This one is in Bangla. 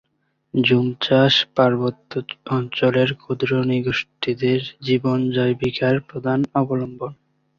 জুম চাষ পার্বত্য অঞ্চলের ক্ষুদ্র-নৃগোষ্ঠীদের জীবন জীবিকার প্রধান অবলম্বন।